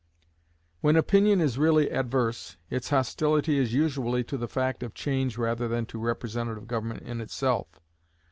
When opinion is really adverse, its hostility is usually to the fact of change rather than to representative government in itself.